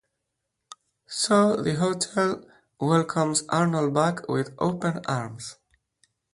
So the hotel welcomes Arnold back with open arms.